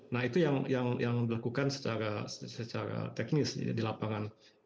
nah itu yang dilakukan secara teknis di lapangan